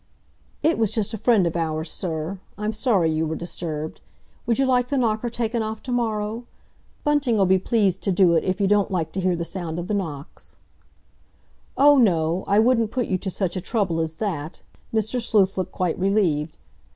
"It was just a friend of ours, sir. I'm sorry you were disturbed. Would you like the knocker taken off to morrow? Bunting'll be pleased to do it if you don't like to hear the sound of the knocks." "Oh, no, I wouldn't put you to such trouble as that." Mr. Sleuth looked quite relieved.